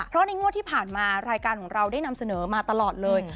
เพราะในงวดที่ผ่านมารายการของเราได้นำเสนอมาตลอดเลย